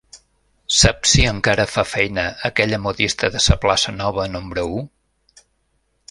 Saps si encara fa feina aquella modista de sa plaça nova nombre u?